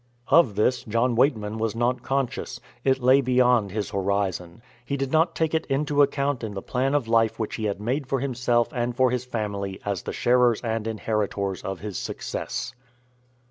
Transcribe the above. Of this John Weightman was not conscious. It lay beyond his horizon. He did not take it into account in the plan of life which he made for himself and for his family as the sharers and inheritors of his success.